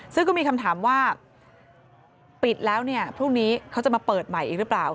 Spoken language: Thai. ซึ่งก็มีคำถามว่าปิดแล้วเนี่ยพรุ่งนี้เขาจะมาเปิดใหม่อีกหรือเปล่า